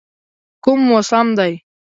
کوم موسم دی؟